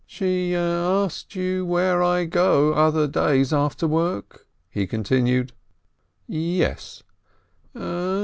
"She asked you where I go other days after work?" he continued. "Yes."